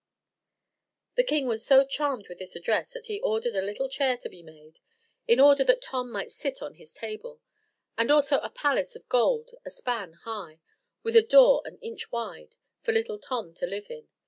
The king was so charmed with this address, that he ordered a little chair to be made, in order that Tom might sit on his table, and also a palace of gold a span high, with a door an inch wide, for little Tom to live in.